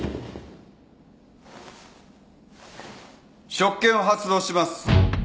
職権を発動します。